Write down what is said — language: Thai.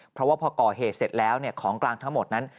เพราะว่าพอก่อเหตุเสร็จแล้วของกลางทั้งหมดนั้น